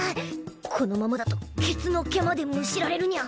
このままだとケツの毛までむしられるニャ。